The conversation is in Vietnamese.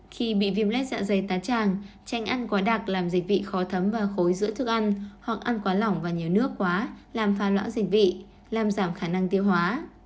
khi bị viêm nét dạ dày tán tràng tránh ăn quá đặc làm dịch vị khó thấm và khối giữa thức ăn hoặc ăn quá lỏng và nhiều nước quá làm pha lõa dịch vị làm giảm khả năng tiêu hóa